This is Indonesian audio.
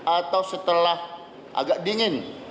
atau setelah agak dingin